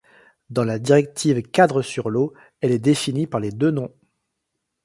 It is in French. Dans la directive Cadre sur l'eau, elle est définie par les deux noms.